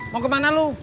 mau kemana lu